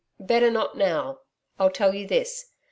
'Better not now. I'll tell you this.